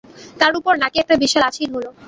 তার উপর নাকে একটা বিশাল আঁচিল হলো।